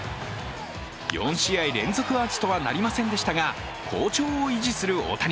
４試合連続アーチとはなりませんでしたが、好調を維持する大谷。